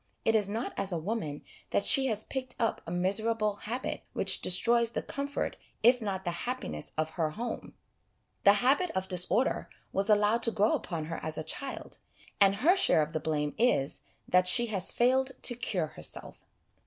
It is not as a woman that she has picked up a miserable habit which destroys the comfort, if not the happiness, of her home ; the habit of disorder was allowed to grow upon her as a child, and her share of the blame is, that she has failed to cure herself.